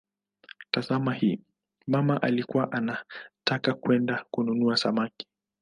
Tazama hii: "mama alikuwa anataka kwenda kununua samaki".